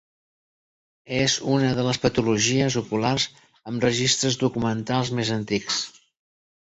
És una de les patologies oculars amb registres documentals més antics.